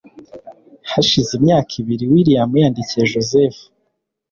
hashize imyaka ibiri william yandikiye joseph